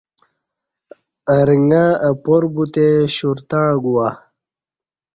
ارݩگہ اہ پار بوتے شرتع گوا